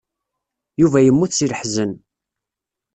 Yuba yemmut seg leḥzen.